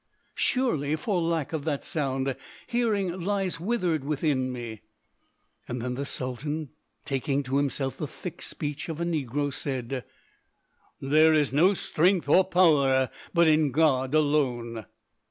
Surely, for lack of that sound, hearing lies withered within me!" Then the Sultan, taking to himself the thick speech of a negro, said, "There is no strength or power but in God alone!"